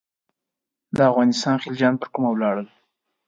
د افغانستان خلجیان پر کومه ولاړل.